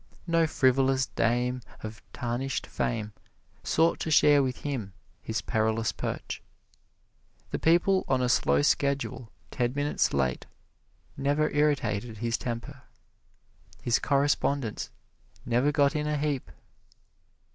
No frivolous dame of tarnished fame sought to share with him his perilous perch. The people on a slow schedule, ten minutes late, never irritated his temper. His correspondence never got in a heap.